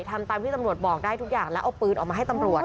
ทำตามที่ตำรวจบอกได้ทุกอย่างแล้วเอาปืนออกมาให้ตำรวจ